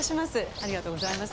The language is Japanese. ありがとうございます。